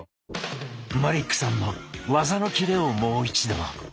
マリックさんの技のキレをもう一度。